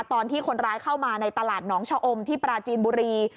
ตอนที่คนร้ายเข้ามาในตลาดหนองชะอมที่ปราจีนบุรี